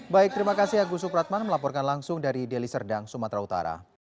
baik terima kasih agus supratman melaporkan langsung dari deli serdang sumatera utara